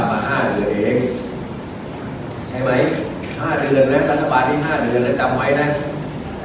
เรื่องของการติ่งกับพี่ไบล์